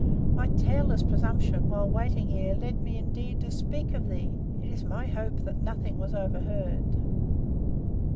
My tailless presumption, while waiting here, led me, indeed, to speak of thee. It is my hope that nothing was overheard."